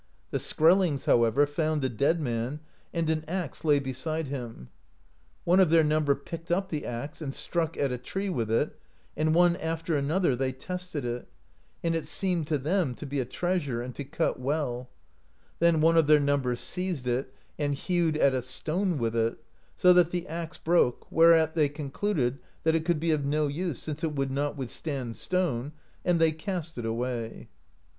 The Skrell ings, however, found a dead man, and an axe lay beside him. One of their number picked up the axe, and struck at a tree with it, and one after another [they tested it], and it seemed to them to be a treasure, and to cut well ; then one of their number seized it, and hewed at a stone with it, so that the axe broke, whereat they concluded that it could be of no use, since it would not withstand stone, and they cast it away.